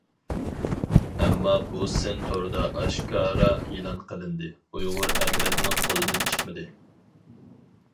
ئەمما بۇ سىن توردا ئاشكارا ئېلان قىلىندى، ئۇيغۇر ئەترەتنىڭ قولىدىن چىقمىدى.